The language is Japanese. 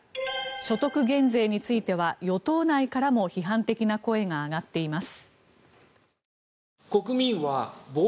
所得減税については与党内からも批判的な声が上がっています。